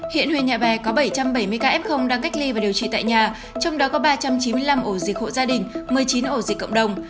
hiện huyện nhà bè có bảy trăm bảy mươi ca f đang cách ly và điều trị tại nhà trong đó có ba trăm chín mươi năm ổ dịch hộ gia đình một mươi chín ổ dịch cộng đồng